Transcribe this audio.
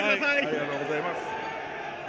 ありがとうございます。